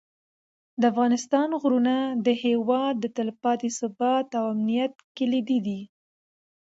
د افغانستان غرونه د هېواد د تلپاتې ثبات او امنیت کلیدي دي.